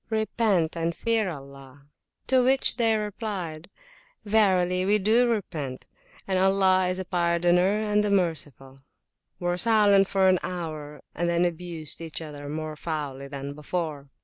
repent and fear Allah! They replied, Verily we do repent, and Allah is a Pardoner and the Merciful!were silent for an hour, and then abused each other more foully than before.